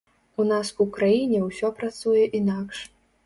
У нас у краіне ўсё працуе інакш.